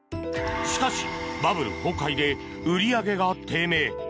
しかし、バブル崩壊で売り上げが低迷。